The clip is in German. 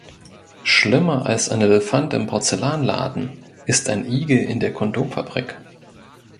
Schlimmer als ein Elefant im Porzelanladen, ist ein Igel in der Kondomfabrik.